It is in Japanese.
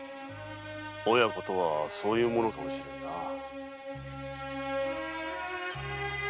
親子とはそういうものかもしれんなぁ。